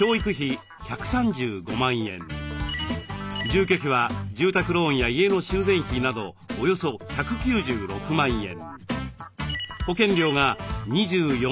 住居費は住宅ローンや家の修繕費などおよそ１９６万円。